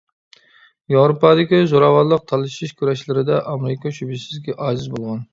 ياۋروپادىكى زوراۋانلىق تالىشىش كۈرەشلىرىدە، ئامېرىكا شۈبھىسىزكى ئاجىز بولغان.